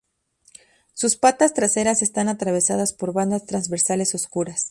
Sus patas traseras están atravesadas por bandas transversales oscuras.